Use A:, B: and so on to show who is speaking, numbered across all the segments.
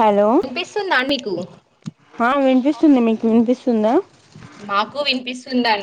A: Hello
B: వినిపిస్తుందా అండి మీకు
A: హా వినిపిస్తుంది మీకు వినిపిస్తు స్తుందా
B: మాకు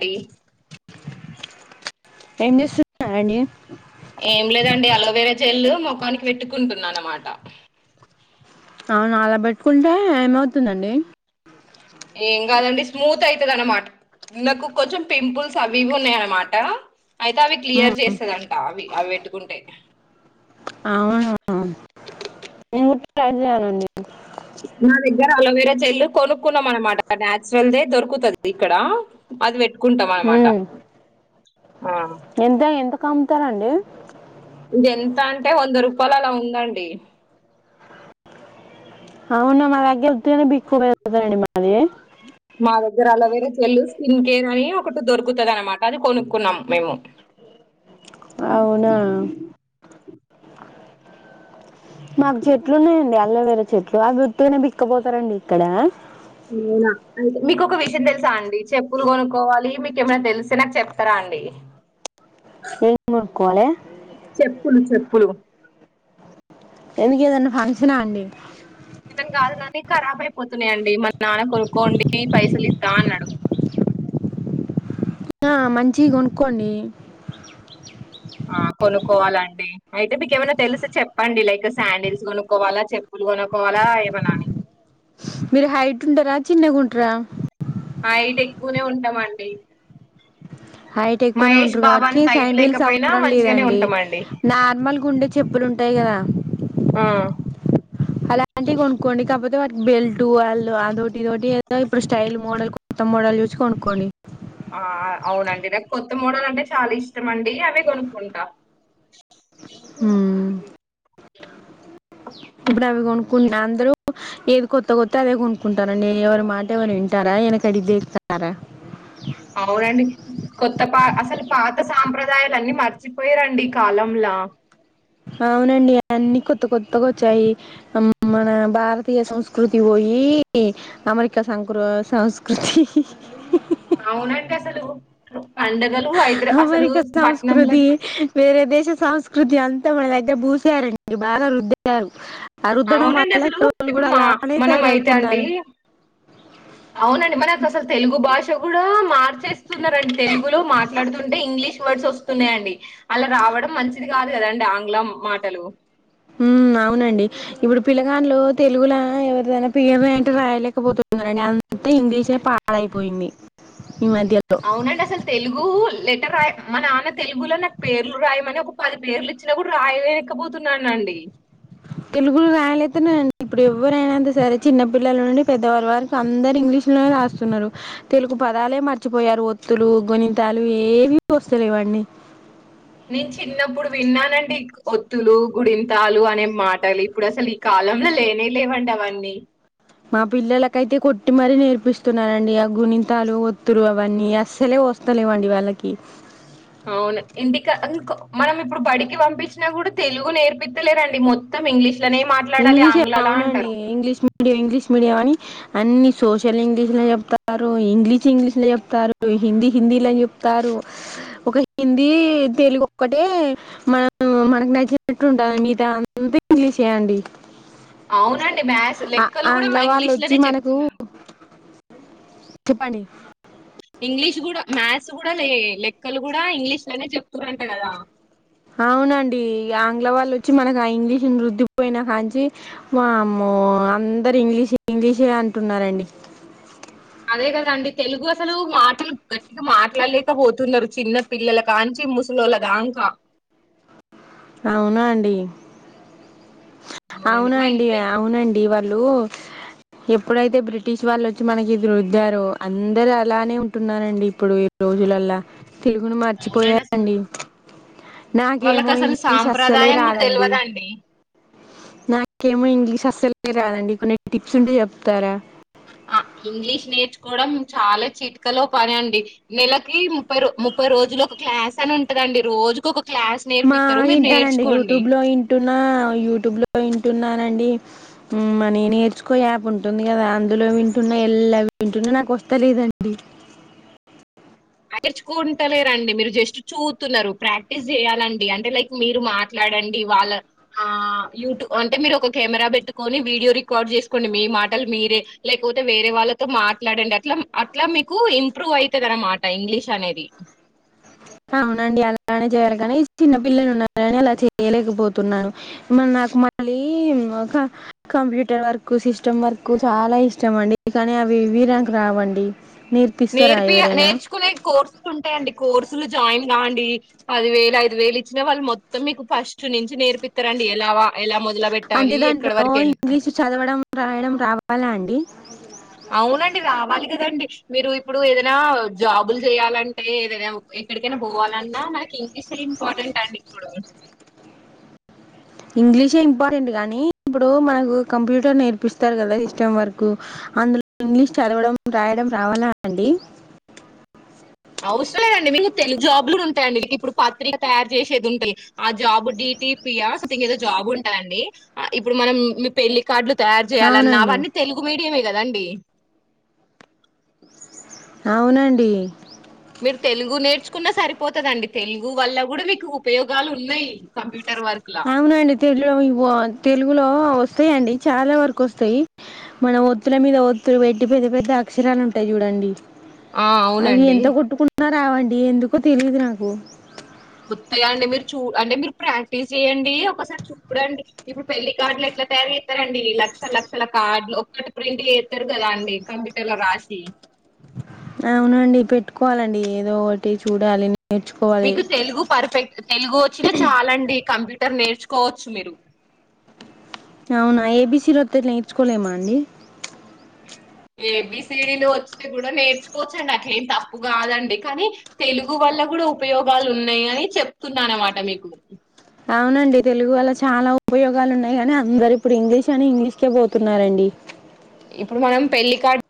B: [unintelligible]
A: ఎం చేస్తున్నారు అండి
B: ఏం లేదండి అలోవేరా జల్లు ముఖానికి పెట్టుకుంటున్నాన అన్నమాట
A: అవున అలా పెట్టుకుంటే ఏమవుతుందండి
B: ఏం కాదండి స్మూత్ అవుతది అనమాట, నాకు కొంచెం పింపుల్స్ అవివి ఉన్నాయ అన్నమాట అయితే అవి క్లియర్ చేస్తుదంట అవి అవి పెట్టుకుంటే
A: అవునా ట్రై చేయాలండి
B: నా దగ్గర అలోవేరా జైల్లు కొనుక్కున్నాం అనమాట, నాచురల్ దే దొరుకుతది ఇక్కడ అది పెట్టు ఒక్కుంటాం అనమాట
A: ఉమ్,
B: ఆ
A: ఎంత ఎంతకు కమ్ ఇస్తారండి
B: ఇది ఎంత అంటే వంద రూపాయలు అలా ఉందండి
A: అవునా మ దగ్గర [unintelligible]
B: మా దగ్గర తుద అన్నమాట అది కొనుక్కున్నాం మేము
A: అవునా మాకు చెట్లు ఉన్నాయండి అల్ల చెట్లు అవి ఉట్టిగానే బిక్కపోతారండి ఇక్కడ
B: అవునా అయితే మీకు ఒక విషయం తెలుసా అండి చెప్పులు కొనుక్కోవాలి మీకేమనా తెలిస్తే నాకు చెప్తారా అండి
A: ఎం కొనుక్కోవాలె
B: చెప్పులు చెప్పులు
A: ఎఎందుకు ఏదైనా ఫంక్షనా అండి
B: చెప్పనని కాదు గానీ ఖరాబ్ అయిపోతున్నాయిండి మా నాన్న కొనుక్కోండి పైసలు ఇత్తా అన్నాడు
A: ఆ మంచియి కొనుక్కోండి
B: నుక్కోవాలండి అయితే మీకు ఏమైనా తెలుస చెప్పండి లైక్ శాండిల్స్ కొనుక్కోవాలా చెప్పులు కొనుక్కోవాలా ఏమైనా
A: మీరు హైట్ ఉంటారా చిన్నగుంటార
B: హైయిట్ ఎక్కువనే ఉంటాం అండి
A: హైట్ ఎక్కువనే ఉంటారు కాబట్టికి
B: అంత హైట్
A: సైండిల్స్
B: లేకపోయినా
A: అవసరం
B: మంచిగానే
A: లేదండి
B: ఉంటామండి.
A: నార్మల్ గుండె చెప్పులు ఉంటాయి కదా
B: ఆ
A: అలాంటివి కొనుక్కోండి కాకపోతే వాటికి బెల్ట్ వాళ్ళు అదోటి ఇదోటి ఏదో ఇప్పుడు స్టైల్ మోడల్ కొత్త మోడల్ చూసి కొనుక్కోండి
B: ఆ అవునండి నాకు కొత్త మోడాలంటే చాలా ఇష్టమ అండి అవే కొనుక్కుంటా
A: ఉం ఇప్పుడు అవి కొనుక్కుంట అందరు ఏది కొత్త కొత్త అదే కొనుక్కుంటారాండి ఎవరి మాట ఎవరు వింటారా వెనకటి దేకుతారా
B: అవునండి కొత్త పా అసలు పాత సాంప్రదాయం దాయలన్ని మర్చిపోయారండి ఈ కాలంలా
A: అవునండి అన్నిీ కొత్త కొత్తగా వచ్చాయి మన భారతీయ సంస్కృతి పోయి అమెరికా సంకృ సంస్కృతి
B: అవునండి అసలు పండ గ్
A: అమెరికా సంస్కృతి వేరే దేశ సంస్కృతి అంత మన దగ్గర పూసారండి బాగా రుద్దారు ఆ రుద్దడం
B: అవునండి
A: వల్ల
B: అసలు
A: ఇక్కడోళ్ళు
B: ఇప్పుడు
A: కూడా
B: మా
A: అలానే
B: మనం అయితే అండి
A: తయారవుతున్నారు
B: అవునండి మనకు అసలు తెలుగు భాష కూడా మార్చేస్తున్నారండి తెలుగులో మాట్లాడుతుంటే ఇంగ్లీష్ వర్డ్స్ వస్తున్నాయంండి అలా రావడం మంచిది కాదు కదండి ఆంగ్లం మాటలు
A: ఉం అవునండి ఇప్పుడు పిలగాన్లో తెలుగుల ఎవరిదైనా పేరు రాయి అంటే రాయలేకపోతున్నారండి అంత ఇంగ్లీషే పాడైపోయింది ఈ మధ్యలో
B: అవునండి అసలు తెలుగు లెటర్ రా మా నాన్న తెలుగులో నాకు పేర్లు రాయమని ఒక పది పేర్లు ఇచ్చిన కూడా రాయలేనకపోతున్నానండి
A: తెలుగు రాయలేదున్నాండి ఇప్పుడు ఎవరైనాంత సరే చిన్న పపిల్లల నుండి పెద్దవళ్ళ వారికి అందరు ఇంగ్లీష్ లోనే రాస్తున్నారు తెలుగు పదాలే మర్చిపోయారు ఒత్తులు గుణింతాలు ఏవి వస్తలేవండి
B: నేను చిన్నప్పుడు విన్నానండి ఒత్తులు గుడింతాలు అనే మాటలు ఇప్పుడు అసలు ఈ కాలంలో లేనే లేవండి అవన్నీ
A: మా పిల్లలకైతే కొట్టిమరీ నేర్పిస్తున్నానండి ఆ గుణింతాలు ఒత్తులు అవన్నీ అస్సలే వస్తలేవండి వాళ్ళకి
B: అవును ఇంటికాం మనం ఇప్పుడు బడికి పంపించినా కూడా తెలుగు నేర్పిత్తలేరండి మొత్తం ఇంగ్లీష్ లోనే మాట్లాడాలి
A: ఇంగ్లీషే
B: ఆంగ్లలా
A: అవునండి
B: అంటారు
A: ఇంగ్లీష్ మీడియం ఇంగ్లీష్ మీడియా అని అన్ని సోషల్ ఇంగ్లీష్ లో చెప్తారు ఇంగ్లీష్ ఇంగ్లీష్ లో చెప్తారు హిందీ హిందీలా చెప్తారు ఒక హిందీ తెలుగు ఒక్కటే మన మనకు నచ్చినట్టు ఉంటుంది మిగతా అంతా ఇంగ్లీషే అండి
B: అవునండి మ్యాథ్స్ లెక్కలు కూడా
A: ఆంగ్ల
B: మా ఇంగ్లీష్ లోనే చెప్పుకున్నారు
A: చెిప్పండి
B: ఇంగ్లీష్ కూడా మ్యాథ్స్ కూడా లే లెక్కలు కూడా ఇంగ్లీష్ లెనే చెప్తురంట కదా.
A: అవునండి, ఆంగ్ల వాళ్ళు వచ్చి మనకు ఆ ఇంగ్లీష్ ని రుద్దిపోయినా కాంచి, వామ్మో అందరు ఇంగ్లీష్ ఇంగ్లీషే అంటున్నారండి.
B: అదే కదండి తెలుగు అసలు, మాటలు గట్టిగా మాట్లాడలేక పోతున్నారు, చిన్న పిల్లల కాంచి ముసలోళ్ళ దాంక.
A: అవునా అండి.
B: మా
A: అవునండి
B: ఇంటి దగ్గర
A: అవునండి వా. ఇళ్ళు ఎప్పుడైతే బ్రిటిష్ వాళ్ళు వచ్చి మనకి ఇది రుద్దారో, అందరు అలానే ఉంటున్నారండి, ఇప్పుడు ఇ రోజులల్లా. తెలుగును మర్చిపోయాారండి.
B: వాళ్ళక అసలు
A: అస్సలే
B: సాంప్రదాయం కూడా,
A: రాదండి
B: తెలువదండి.
A: నాకేమో ఇంగ్లీష్ అస్సలే కె రాదండి కొన్ని టిప్స్ ఉంటే చెప్తారా.
B: ఆ ఇంగ్లీష్ నేర్చుకోవడం చాలా చిట్కలో పని అండి, నెలకి ముప్పై రో ముప్పై రోజులు ఒక క్లాస్ అని ఉంటదండి రోజుక ఒక. క్లాస్
A: మా
B: నేర్పిస్తారు మీరు
A: ఇనటానండి
B: నేర్చుకోండి
A: యూట్యూబ్ లోఇంటున్న యూట్యూబ్ లో ఇన్. వింటున్నానండి అ మని నేర్చుకో యాప్ ఉంటుంది కదా అందులో వింటున్న ఎల్లా వింటున్నా నాకు వస్తాలేదండి.
B: అట్టిచుకుంటలేరండి మీరు జస్ట్ చూత్తూన్నారు ప్రాక్టీస్ జెయ్యాలండి అంటే లైక్ మీరు మాట్లాడండి వాళ్ళ ఆ యూట్యూబ్ అంటే మీరు ఒక కెమెరా పెట్టుకొని వీడియో రికార్డ్ చేసుకోండి మీ మాటలు మీరే లేకపోతే వేరే వాళ్ళతో మాట్లాడండి అట్లా అట్లా మీకు ఇంప్రూవ్ ఐతదాన్న మాట. అ ఇంగ్లీష్ అనేది.
A: అవునండి అలానే చేయాలి గనీ చిన్న పిల్లలు ఉన్నరాని అలా చేయలేకపోతున్నాను మన నాకు మళ్ళీ మ కంప్యూటర్ వర్క్ సిస్టమ్ వర్క్ చాలా ఇష్టం అండి కానీ అవి ఏవి నాకు రావండి. నేర్పిస్తారా
B: నేర్పియ
A: ఎవరైనా
B: నేర్చుకునే కోర్సులు ఉంటాయండి కోర్సులు జాయిన్. అవునా అండి పదివేలు ఐదు వేలు ఇచ్చినా వాళ్ళు మొత్తం మీకు ఫస్ట్ నుంచి నేర్పిత్తరండి ఎలావా ఎలా మొత్తం.
A: అంటే దాంట్లో నో ఇంగ్లీష్ చదవడం రాయడం రావాలా అండి.
B: అవునండి రావాలి కదండి మీరు ఇప్పుడు ఏదైనా జాబులు జెయ్యాలంటే ఏదైనా. ఎక్కడికైనా పోవాలన్నా మనకి ఇంగ్లీష్ ఇంపార్టెంట్ అండి ఇప్పుడు.
A: ఇంగ్లీషే ఇంపార్టెంట్ గనీ, ఇప్పుడు మనకు కంప్యూటర్ నేర్పిస్తారు కదా సిస్టమ్ వరకు, అందులో ఇంగ్లీష్ చదవడం రాయడం రావాలా అండి.
B: అవసర లేదండి మీకు తెలుగు జాబ్ లు కూడా ఉంటాయంండి మీ ఇప్పుడు పత్రిక తయారు చేసేది ఉంటుంది ఆ జాబు డిటిపియా సోం ఏదో జాబు ఉంటాయండి ఇప్పుడు మనం మీ పెళ్లి. కార్డులు తయారు చేయాలన్నా
A: అవునండి
B: అవన్నీ తెలుగు మీడియమే. కదా అండి.
A: అవునండి.
B: తెలుగు నేర్చుకున్నా సరిపోతదండి తెలుగు వల్ల కూడా మీకు ఉపయోగాలు ఉన్నాయ్.
A: అవునండి తెలులివా తెలుగులో. ఓ వొస్తాయండి చాలా వరకు వొస్తాయి మన ఒత్తుల మీద ఒత్తులు పెట్టి పెద్ద పెద్ద అక్షరాలు ఉంటాయి జుడండి.
B: ఆ
A: అవి
B: అవునండి
A: ఎంత కొట్టుకున్న. ఐనరావండి ఎందుకో తెలియదు నాకు.
B: వొత్తాయి అండి మీరు చూ అంటే మీరు ప్రాక్టీస్ జెయండి ఒకసారి చూడండి ఇప్పుడు పెళ్లి కార్డులు ఎట్లా తయారు చేస్తారండి లక్షల లక్షల కార్డులు ఒక్కటి ప్రింట్ యెట్టారు కదా అండి కంప్యూటర్ లో రాసి.
A: అవునండి పెట్టుకోవాలండి ఏదో ఒకటి చూడాలి. నేర్చుకోవాలి
B: మీకు తెలుగు పర్ఫెక్ట్ తెలుగు వచ్చినా చాలా అండి కంప్యూ. ఇద్దరు నేర్చుకోవచ్చు మీరు.
A: అవునా ఏబిసీ డి వొత్తే నేర్చుకోలేమా అండి.
B: ఏబిసిడీ లు వొస్తే కూడా నేర్చుకోవచ్చండి అట్లే ఏం తప్పు కాదండి కానీ తెలుగు వల్ల కూడా ఉపయోగాలు ఉన్నాయి అని చెప్తున్నాన అన్నమాట మీకు.
A: అవునండి తెలుగు వల్ల చాలా ఉపయోగాలు ఉన్నాయి కానీ అందరు ఇప్పుడు ఇంగ్లీష్ అని ఇంగ్లీష్ కె పోతున్నారండి.
B: ఇప్పుడు మనం పెళ్ళికార్డు.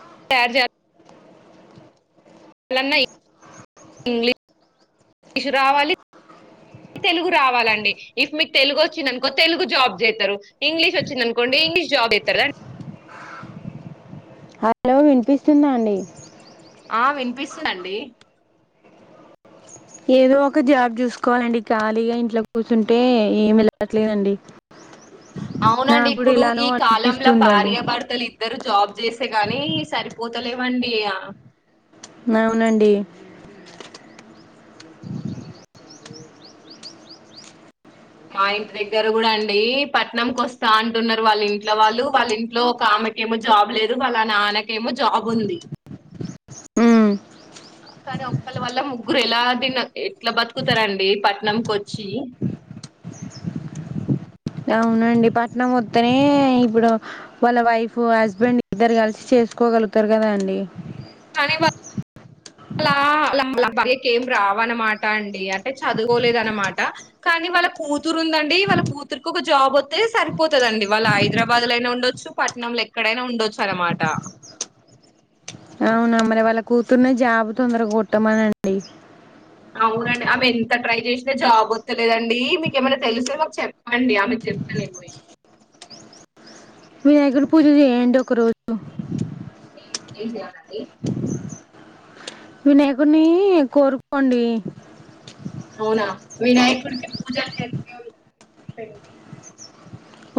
B: [unintelligible] అలన్నా ఇం ఇంగ్లీ ష్ రావాలి. తెలుగు రావాలండి. ఇఫ్ మీకు తెలుగు వచ్చింది. అనుకో తెలుగు జాబ్ చేస్తారు. ఇంగ్లీష్ వచ్చింది ఆనుకోండి ఇంగ్లీష్ జాబ్ చేత్తరు రండీ.
A: హ్ వినిపిస్తుందా అండి
B: ఆ వినిపిస్తుందండి
A: ఏదో ఒక జాబ్ చూసుకోవాలండి. ఖాళీగా ఇంట్ల కూర్చుంటే ఏమి వెళ్ళట్లేదండి.
B: అవునండి.
A: నాకు కూడా
B: ఇప్పుడు
A: ఇలానో
B: ఈ కాలంల
A: అనిపిస్తుందండి
B: భార్యభర్తలు ఇద్దరు జాబ్ చేస్తే గాని సరిపోతలేవ్ వండి యా
A: అవునండి
B: మా ఇంటి దగ్గర కూడా అండి పట్నంకోస్తా అంటున్నారు. వాళ్ళ ఇంట్లో వాళ్ళు వాళ్ళ ఇంట్లో ఒక ఆమెకేమో జాబ్ లేదు వాళ్ళ నాన్నకేమో జాబ్ ఉంది.
A: ఉమ్,
B: కానీ ఒక్కలీ వల్ల ముగ్గురు ఎలాంటి ఎట్లా బతుకుతారండి పట్నంకి వచ్చి.
A: అవునండి పట్టనం ఓత్తనే ఇప్పుడు వాళ్ళ వైఫ్ హస్బెండ్ ఇద్దరు కలిసి చేసుకోగలుగుతారు. కదా అండి
B: అల్ల అల్లమ్మ ఆల్ల భార్యకి ఏం రావ్ అన్నమాట అండి అంటే చదువుకోలేదు అన్నమాట కానీ వాళ్ళ కూతురు ఉందండి. వాళ్ళ కూతురుకి ఒక జాబ్ వొత్తే సరిపోతదండి. వాళ్ళు హైదరాబాద్ లోయినా ఉండొచ్చు పట్నం ల ఎక్కడైనా ఉండొచ్చు అన్నమాట
A: అవునా మరి వాళ్ళ కూతురునీ జాబ్ తొందర కొట్టమనండి.
B: అవునండి ఆమె ఎంత ట్రై చేసి జాబ్ వత్తలేదండి మీకు ఏమైనా తెలుస్తే మాకు చెప్ చెప్పండి ఆమెకు చెప్తలే పోయి.
A: వినాయకుకి పూజ చేయండి ఒక రోజు
B: ఏం ఏం చేయాలాండి
A: వినాయకున్నీ కోరుకోండి
B: అవునా! వినాయకుడికి పూజలు చేస్తూనే ఉంటారండి.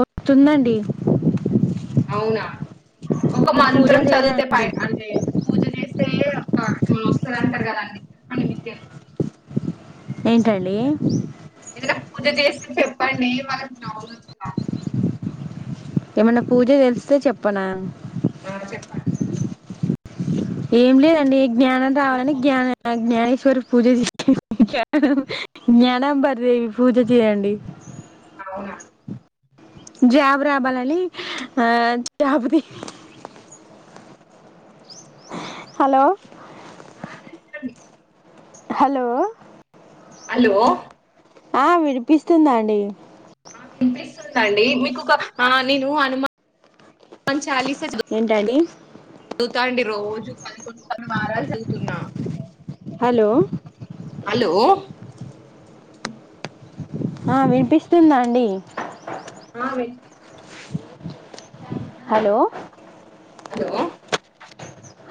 A: వస్తుందండి
B: అవునా. ఒక
A: మీరు పూజ
B: మంత్రం
A: చేయరా
B: చదివితే పై
A: అండి
B: అంటే పూజ చేస్తే అబ్బా వస్తది అంటారు. గాద నిత్యా సే
A: ఏంటండి
B: ఎద పూజ చేసి చెప్పండి వానకి జవున వచ్చి
A: ఏమన్నా పూజ తెలిస్తే చెప్పనా
B: ఆ చెప్పండి
A: ఏం లేదండి జ్ఞానం రావాలనే జ్ఞా జ్ఞానేశ్వరి పూజ చెత్తే జ్ఞాన అంబరిదేవి పూజ చెయండి
B: అవునండి
A: జాబ్ రావలనీ ఆ జాబ్ ది హలో
B: ఆ [unintelligible] డి
A: హలో
B: హలో
A: ఆ వినిపిస్తుందా అండి
B: స్తుదండి మీకు ఒక ఆ నేను హనుమాన్ చాలీస
A: ఏంటాండి
B: తం డి రోజు పదకొండు కొన్నీ వారాలు చదువుతున్నా
A: హలో
B: హలో
A: ఆ వినిపిస్తుందా అండి
B: ఆ వినిపిస్
A: హలో
B: హలో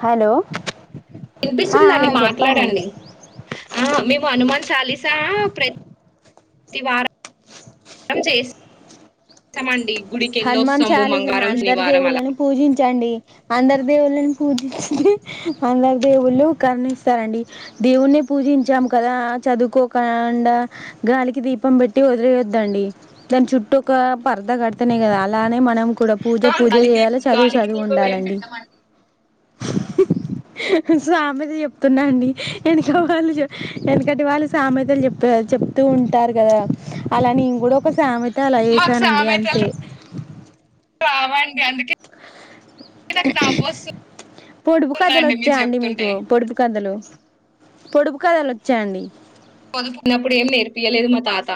A: హలో ఆ,
B: వినిపిస్తుందండి
A: ఆ, చెప్పండి
B: మాట్లాడండి ఆ మేము హనుమాన్ చాలిస్ చార్లెస్ ప్రతి వారం చేస్తస్తామండి.
A: హనుమాన్ చాలీసని అందరి
B: అలా
A: దేవుళ్ళని పూజించండి. అందరి దేవుళ్ళని పూజించి అందర్ దేవుళ్ళు కరణిస్తారండి దేవుణ్ణే పూజించాం కదా చదువుకోకుండా గాలికి దీపం పెట్టి వదిలేయొద్దండి దాని చుట్టూ ఒక పరద కట్ అ కద అలానే మనం కూడా పూజ
B: ఆ,
A: పూజ
B: గాలికి
A: చేయాలే చదువు
B: గాలికి
A: చదువు
B: దీపం ఏం
A: ఉండాలండి.
B: పెట్టమండి
A: సామెత చెప్తున్నాండి వెనక వాళ్ళు వెనకటి వాళ్ళు సామెతలు చెప్ప చెప్తూ ఉంటారు కదా అలా నేను కూడా ఒక సామెత. అంతే అలా
B: మాకు
A: వేసానండి అం
B: కామెంట్ నవ్వొస్తుందండి
A: పొడుపు కథలు
B: మీరు
A: వచ్చా అండి
B: చెప్తుంటే.
A: మీకు పొడుపు కథలు. పొడుపు కథలు వచ్చా అండి
B: పదుపుకున్నప్పుడు ఏం నేర్పియలేదు మా తాత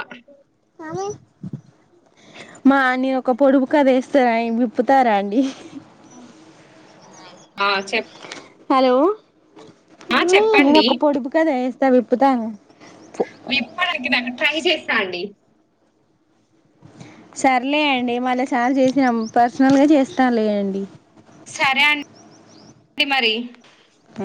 A: కామె మా నేను ఒక పొడుపు కథ వేస్తా అ విప్పుతారా అండి
B: ఊ ఆ చెప్.
A: హలో.
B: ఆ
A: నేను
B: చెప్పండి.
A: ఒక పొడుపు కథ వేస్ విప్పుతాను
B: విప్పడానికి నాకు ట్రై చెస్. యా అండి.
A: సరేలే అండి మళ్ళీ సారీ చేసినా పర్సనల్ గా చేస్తాలే అండి
B: సరే అండి మరీ‌.
A: ఆ